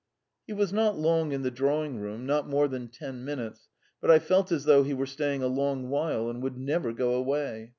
He was not long in the drawing room, not more than ten minutes, but I felt as though he were staying a long while and would never go away.